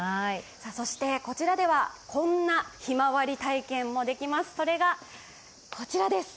そして、こちらではこんなひまわり体験もできます、それがこちらです。